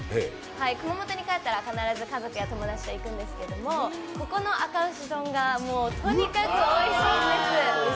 熊本に帰ったら必ず家族や友達と行くんですけどここのあか牛丼がとにかくおいしんです。